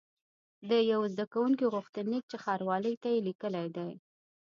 د یوه زده کوونکي غوښتنلیک چې ښاروالۍ ته یې لیکلی دی.